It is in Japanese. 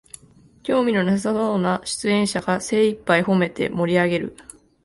興味のなさそうな出演者が精いっぱいほめて盛りあげる